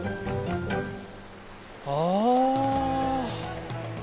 ああ！